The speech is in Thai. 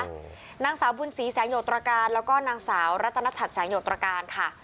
นางสาวบุญศรีแสงโยตรการแล้วก็นางสาวรัตนชัดแสงโยตรการค่ะ